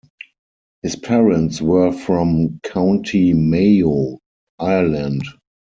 His parents were from County Mayo, Ireland.